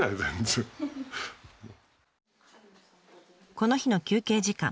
この日の休憩時間。